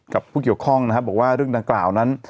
ผู้เกี่ยวข้องนะครับบอกว่าเรื่องดังกล่าวนั้น